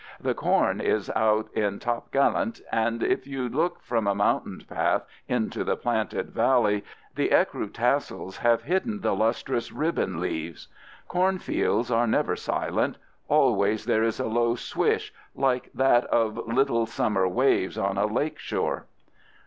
The corn is out in topgallant, and if you look from a mountain path into the planted valley, the écru tassels have hidden the lustrous ribbon leaves. Cornfields are never silent. Always there is a low swish, like that of little summer waves on a lake shore.